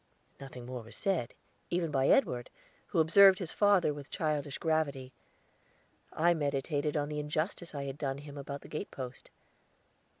Nothing more was said, even by Edward, who observed his father with childish gravity, I meditated on the injustice I had done him about the gate post.